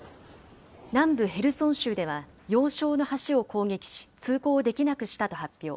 南部ヘルソン州では、要衝の橋を攻撃し、通行できなくしたと発表。